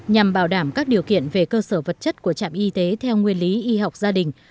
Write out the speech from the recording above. nhằm bảo đảm các điều kiện về cơ sở vật chất của trạm y tế theo nguyên lý y học gia đình